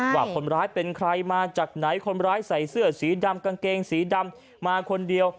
ว่าคนร้ายเป็นใครมาจากไหนคนร้ายใส่เสื้อสีดำกางเกงสีดำมาคนเดียว